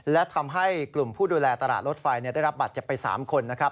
และทำให้กลุ่มผู้ดูแลตลาดรถไฟได้รับบัตรเจ็บไป๓คนนะครับ